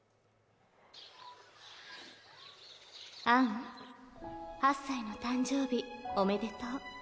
アン、８歳の誕生日おめでとう。